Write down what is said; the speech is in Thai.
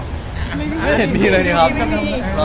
สัมพันธ์ตอนนี้เป็นยังไงบ้างคะถามเออ